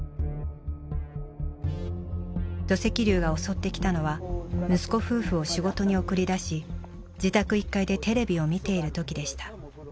土石流が襲ってきたのは息子夫婦を仕事に送り出し自宅１階でテレビを見ているときでした。